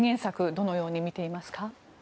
どのように見ていますか。